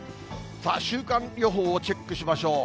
さあ、週間予報をチェックしましょう。